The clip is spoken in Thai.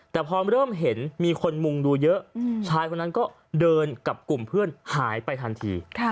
แต่พอเริ่มเห็นมีคนมุงดูเยอะชายคนนั้นก็เดินกับกลุ่มเพื่อนหายไปทันที